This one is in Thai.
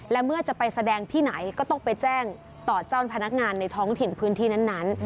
และเมื่อจะไปแสดงที่ไหนก็ต้องไปแจ้งต่อเจ้าพนักงานในท้องถิ่นพื้นที่นั้น